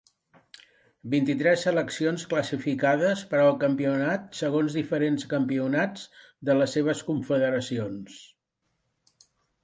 Vint-i-tres seleccions classificades per al campionat segons diferents campionats de les seves confederacions.